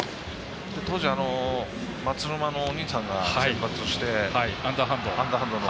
当時、松沼のお兄さんが先発して、アンダーハンドの。